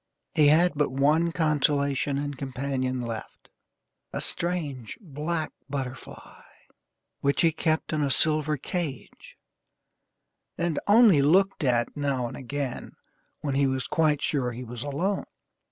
He had but one consolation and companion left a strange, black butterfly, which he kept in a silver cage, and only looked at now and again, when he was quite sure that he was alone.